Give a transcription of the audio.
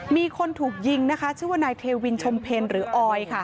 มีคนถูกยิงนะคะชื่อว่านายเทวินชมเพลหรือออยค่ะ